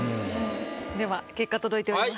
では結果届いております。